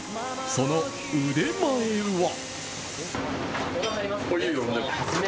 その腕前は？